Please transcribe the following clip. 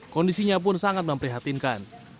kondisinya pun sangat memprihatinkan